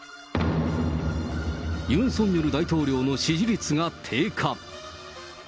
ユン・ソンニョル大統領の支持率が低下。